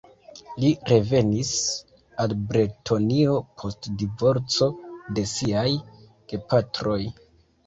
Li revenis al Bretonio post divorco de siaj gepatroj.